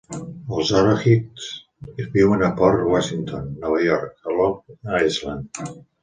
Els Oreheks viuen a Port Washington, Nova York, a Long Island.